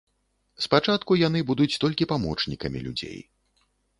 Спачатку яны будуць толькі памочнікамі людзей.